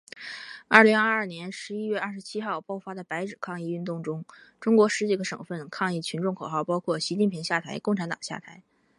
二零二二年十一月二十七号爆发的白纸抗议运动中，中国十几个省份抗议群众的口号包括“习近平下台，共产党下台”